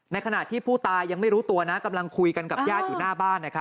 ขณะที่ผู้ตายยังไม่รู้ตัวนะกำลังคุยกันกับญาติอยู่หน้าบ้าน